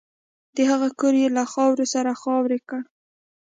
د هغه کور یې له خاورو سره خاورې کړ